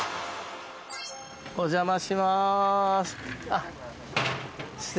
お邪魔します。